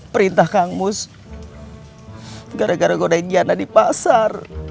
perintah kang mus gara gara gue udah ingin jana di pasar